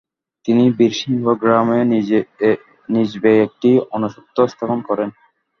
তিনি বীরসিংহ গ্রামে নিজ ব্যয়ে একটি অন্নসত্র স্থাপন করেন।